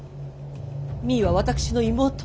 実衣は私の妹。